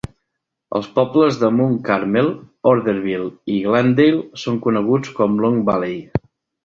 Els pobles de Mount Carmel, Orderville i Glendale són coneguts com Long Valley.